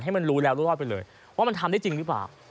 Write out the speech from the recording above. ให้มันรู้แล้วรู้รอดไปเลยว่ามันทำได้จริงหรือเปล่า